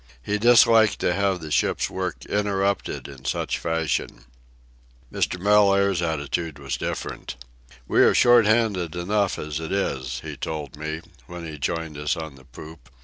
He disliked to have the ship's work interrupted in such fashion. Mr. Mellaire's attitude was different. "We are short handed enough as it is," he told me, when he joined us on the poop.